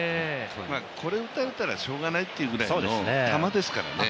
これ打たれたらしょうがないっていうぐらいの球ですからね。